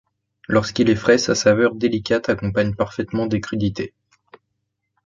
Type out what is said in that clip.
Lorsqu'il est frais sa saveur délicate accompagne parfaitement des crudités.